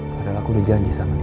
padahal aku udah janji sama dia